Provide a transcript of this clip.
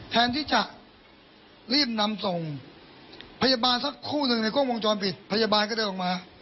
แทนที่จะรีบนำส่งพยาบาลสักคู่หนึ่งในกล้องวงจรปิดพยาบาลก็เดินออกมา